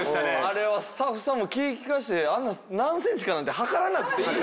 あれはスタッフさんも気利かせてあんな何ｃｍかなんて測らなくていい。